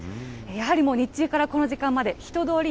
やはりもう日中からこの時間まで、人通り